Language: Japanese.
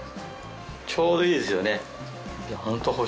ちょうどいいですよね。